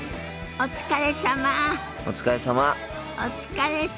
お疲れさま。